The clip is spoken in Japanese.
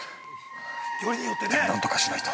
でも何とかしないと。